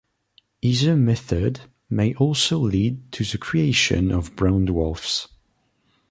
Either method may also lead to the creation of brown dwarfs.